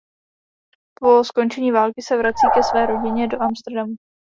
Po skončení války se vrací ke své rodině do Amsterdamu.